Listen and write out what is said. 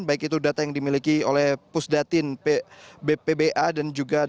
baik itu data yang dimiliki oleh pusdatin bpba